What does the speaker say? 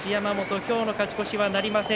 今日の勝ち越しはなりません